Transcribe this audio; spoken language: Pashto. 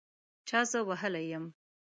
چا زه وهلي یم